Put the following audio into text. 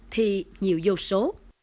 thì nhiều vô số